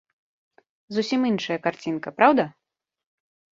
Зусім іншая карцінка, праўда?